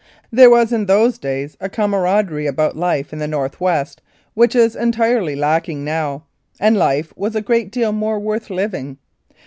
There was in those days a camaraderie about life in the North West which is en tirely lacking now, and life was a great deal more worth living.